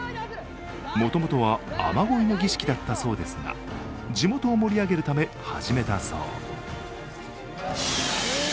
もともとは雨乞いの儀式だったそうですが、地元を盛り上げるため始めたそう。